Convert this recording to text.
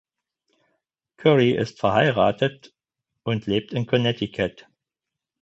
Curry ist verheiratet und lebt in Connecticut.